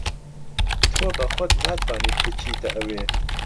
تۆ بە خۆت ناتوانیت بچیتە ئەوێ.